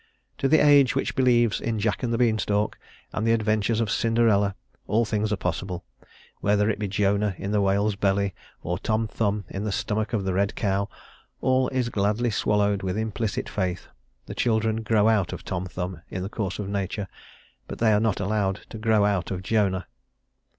To the age which believes in Jack and the bean stalk, and the adventures of Cinderella, all things are possible; whether it be Jonah in the whale's belly, or Tom Thumb in the stomach of the red cow, all is gladly swallowed with implicit faith; the children grow out of Tom Thumb, in the course of nature, but they are not allowed to grow out of Jonah.